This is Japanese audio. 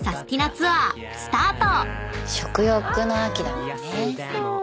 ツアースタート！］